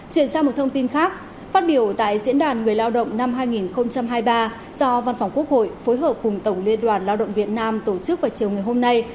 chuyển sang một thông tin khác phát biểu tại diễn đàn người lao động năm hai nghìn hai mươi ba do văn phòng quốc hội phối hợp cùng tổng liên đoàn lao động việt nam tổ chức vào chiều ngày hôm nay